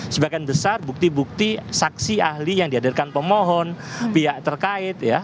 sebagian besar bukti bukti saksi ahli yang dihadirkan pemohon pihak terkait